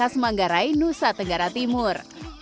semanggarai nusa tenggara timur